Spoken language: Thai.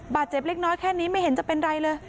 บาดเจ็บเล็กน้อยแค่นี้ไม่เห็นจะเป็นไรเลย